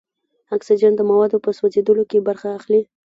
اکسیجن د موادو په سوځیدلو کې برخه اخلي.